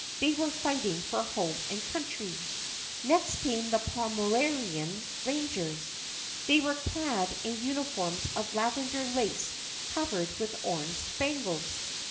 They were fighting for home and country. Next came the Pomeranian Rangers. They were clad in uniforms of lavender lace covered with orange spangles.